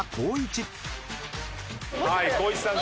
光一さん